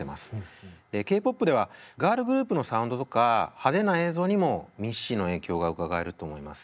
ＫーＰｏｐではガールグループのサウンドとか派手な映像にもミッシーの影響がうかがえると思います。